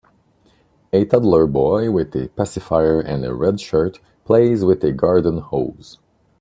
A toddler boy with a pacifier and a red shirt plays with a garden hose.